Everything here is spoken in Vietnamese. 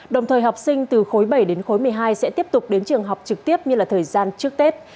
đồng thời học sinh từ khối bảy đến khối một mươi hai sẽ tiếp tục đến trường học trực tiếp như là thời gian trước tết